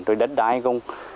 rồi đất đáy không